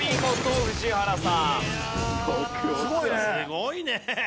すごいね。